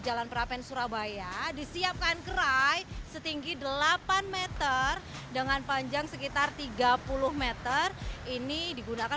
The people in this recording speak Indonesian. jalan perapen surabaya disiapkan kerai setinggi delapan m dengan panjang sekitar tiga puluh m ini digunakan